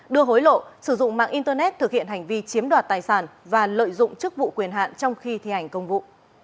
đưa hối lộ sử dụng mạng internet thực hiện hành vi chiếm đoạt tài sản và lợi dụng chức vụ quyền hạn trong khi thi hành công vụ